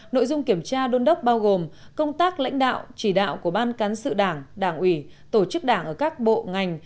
nội dung kiểm tra đôn đốc bao gồm công tác lãnh đạo chỉ đạo của ban cán sự đảng đảng ủy tổ chức đảng ở các bộ ngành